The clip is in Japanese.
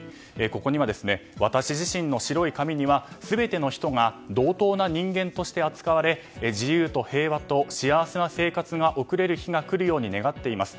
ここには私自身の白い紙には全ての人が同等な人間として扱われ自由と平和と幸せな生活が送れる日が来るように願っています。